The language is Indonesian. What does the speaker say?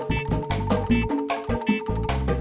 pungkat cafamu atau tari tari